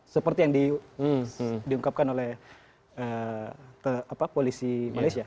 seperti yang diungkapkan oleh polisi malaysia